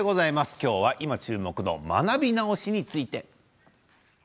今日は今注目の学び直しについて。